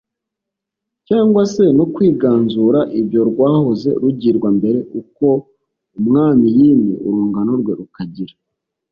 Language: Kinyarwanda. cyangwa se no kwiganzura ibyo rwahoze rugirwa mbere. uko umwami yimye, urungano rwe rukagira